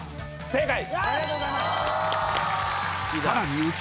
正解！